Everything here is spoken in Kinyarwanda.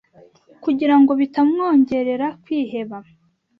kugira ngo bitamwongerera kwiheba